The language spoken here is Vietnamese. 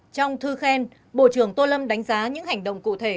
trong thư khen bộ trưởng tô lâm đánh giá những hành động cụ thể